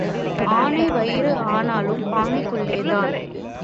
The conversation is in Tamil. ஆனை வயிறு ஆனாலும் பானைக்குள்ளேதான்.